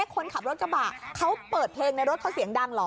คนขับรถกระบะเขาเปิดเพลงในรถเขาเสียงดังเหรอ